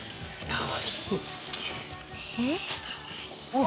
かわいい！